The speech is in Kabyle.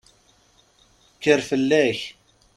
Kker fell-ak!